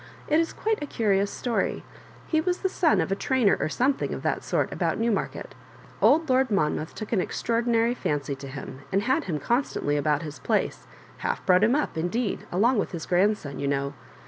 It is quite a curious story; he was the son of a trauier or something of that sort about Newmarket Old Lord Mon mouth took an extraordinary fancy to him, and had him constantly about his place — ^balfbrought him up indeed, along with his grandson, you know.